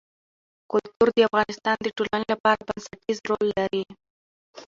کلتور د افغانستان د ټولنې لپاره بنسټيز رول لري.